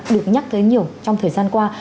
được nhắc thấy nhiều trong thời gian qua